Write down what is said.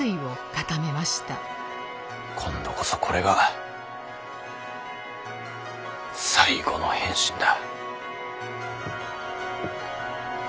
今度こそこれが最後の変身だ。